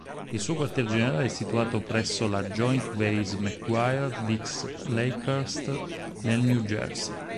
Il suo quartier generale è situato presso la Joint Base McGuire-Dix-Lakehurst, nel New Jersey.